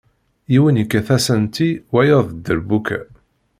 Yiwen yekkat asanti wayeḍ d dderbuka.